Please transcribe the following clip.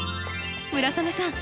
村雨さん